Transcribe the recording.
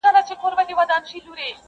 • لږ ساړه خوره محتسبه څه دُره دُره ږغېږې,